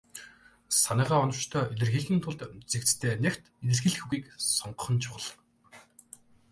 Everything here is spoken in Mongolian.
Санаагаа оновчтой илэрхийлэхийн тулд цэгцтэй, нягт илэрхийлэх үгийг сонгох нь чухал.